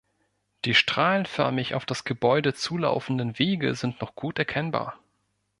Die strahlenförmig auf das Gebäude zulaufenden Wege sind noch gut erkennbar.